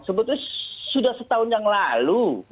sebetulnya sudah setahun yang lalu